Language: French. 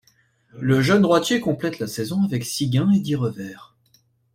Le jeune droitier complète la saison avec six gains et dix revers.